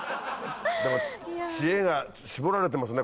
でも知恵が絞られてますね